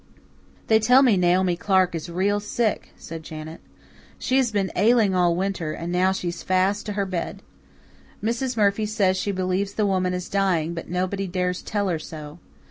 "They tell me Naomi Clark is real sick," said Janet. "She has been ailing all winter, and now she's fast to her bed. Mrs. Murphy says she believes the woman is dying, but nobody dares tell her so.